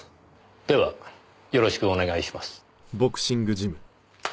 ではよろしくお願いします。